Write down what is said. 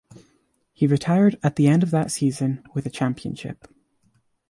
He retired at the end of that season with a championship.